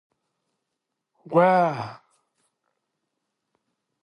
Wah!